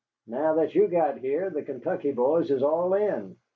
Now that ye've got here the Kentucky boys is all in.